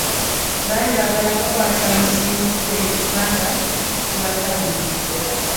Baali baagala kukwata muzimu gwe kubanga gubatawaanya.